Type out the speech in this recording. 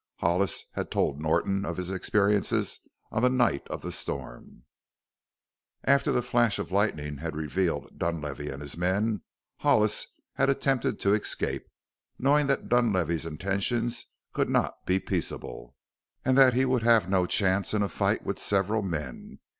Hollis had told Norton of his experiences on the night of the storm. After the flash of lightning had revealed Dunlavey and his men, Hollis had attempted to escape, knowing that Dunlavey's intentions could not be peaceable, and that he would have no chance in a fight with several men.